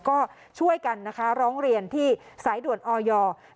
ก็ช่วยกันร้องเรียนที่สายด่วนออย๑๕๕๖